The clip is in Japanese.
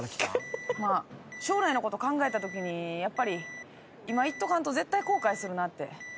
将来のこと考えたときにやっぱり今行っとかんと絶対後悔するなって。